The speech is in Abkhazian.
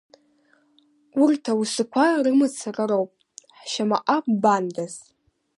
Урҭ ауасақәа рымацара роуп, ҳшьамаҟа ббандаз!